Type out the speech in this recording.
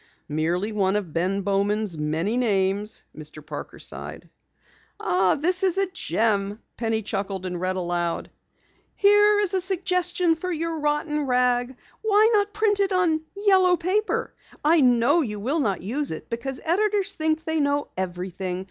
"Merely one of Ben Bowman's many names," Mr. Parker sighed. "Ah, this is a gem!" Penny chuckled, and read aloud: "'Here is a suggestion for your rotten rag. Why not print it on yellow paper? I know you will not use it because editors think they know everything.